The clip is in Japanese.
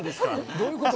どういうこと？